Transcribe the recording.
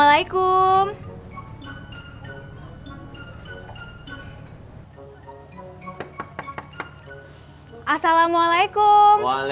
kabinet ini kemarin saya ketemu masa angkat siang